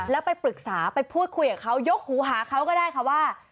แล้วไปปรึกษาไปพูดคุยกับเขายกหูหาเขาก็ได้ค่ะว่า